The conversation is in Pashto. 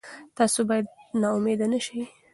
تاسي باید نا امیده نه شئ.